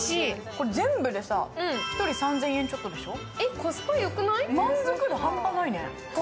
これ、全部で１人３０００円ちょっとでしょう。